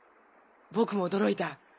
僕も驚いた。